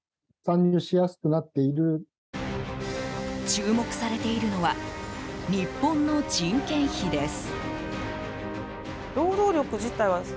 注目されているのは日本の人件費です。